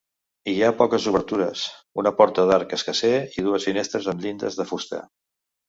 Hi ha poques obertures, una porta d'arc escarser i dues finestres amb llindes de fusta.